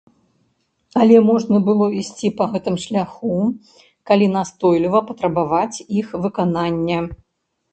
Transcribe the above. Але можна было ісці па гэтым шляху, калі настойліва патрабаваць іх выканання.